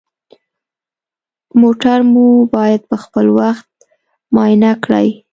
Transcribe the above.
موټر مو باید پخپل وخت معاینه کړئ.